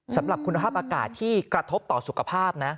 สำหรับคุณภาพอากาศที่กระทบต่อสุขภาพนะ